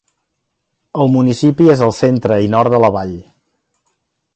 El municipi és al centre i nord de la vall.